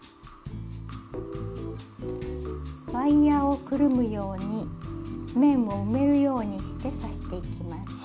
ワイヤーをくるむように面を埋めるようにして刺していきます。